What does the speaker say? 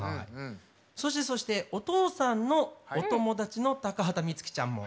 そして、お父さんのお友達の高畑充希ちゃんも。